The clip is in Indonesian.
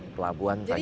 pelabuhan tanjung priok